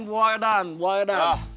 buah edan buah edan